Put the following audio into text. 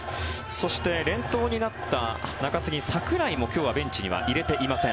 そして、連投になった中継ぎ桜井も今日はベンチには入れていません。